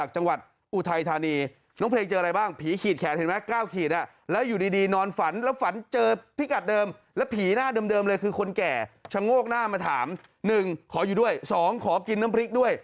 ชะโงกหน้ามาถาม๑ขออยู่ด้วย๒ขอกินน้ำพริกด้วย